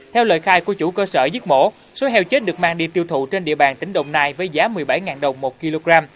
theo lời khai của chủ cơ sở giết mổ số heo chết được mang đi tiêu thụ trên địa bàn tỉnh đồng nai với giá một mươi bảy đồng một kg